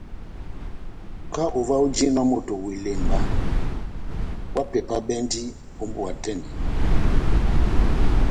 Kahá ová ojinɔ moto wa ilemba, ohápepabɛndi ó mbówa tɛ́h eni.